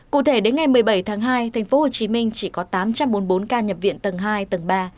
cụ thể đến ngày một mươi bảy tháng hai tp hcm chỉ có tám trăm bốn mươi bốn ca nhập viện tầng hai tầng ba